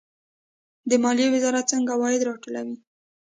د مالیې وزارت څنګه عواید راټولوي؟